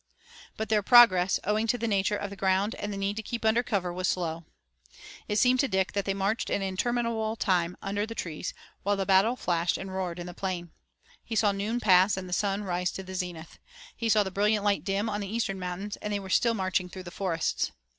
But their progress, owing to the nature of the ground and the need to keep under cover, was slow. It seemed to Dick that they marched an interminable time under the trees, while the battle flashed and roared in the plain. He saw noon pass and the sun rise to the zenith. He saw the brilliant light dim on the eastern mountains, and they were still marching through the forests.